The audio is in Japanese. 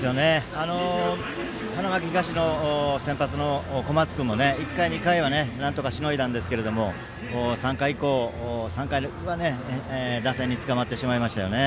花巻東の先発の小松君も１回、２回はなんとかしのいだんですけど３回以降、打線につかまってしまいましたよね。